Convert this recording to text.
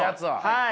はい。